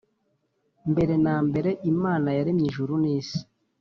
Mbere na mbere Imana yaremye ijuru n’isi.